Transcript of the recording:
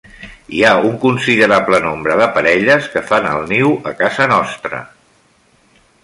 Hi ha un considerable nombre de parelles que fan el niu a casa nostra.